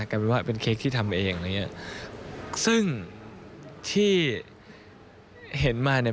กลายเป็นว่าเป็นเค้กที่ทำเองอะไรอย่างเงี้ยซึ่งที่เห็นมาเนี่ย